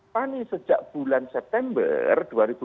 tani sejak bulan september dua ribu dua puluh tiga